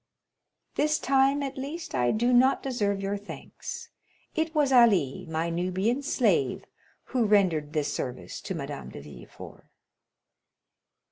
30101m "This time, at least, I do not deserve your thanks. It was Ali, my Nubian slave, who rendered this service to Madame de Villefort."